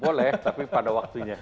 boleh tapi pada waktunya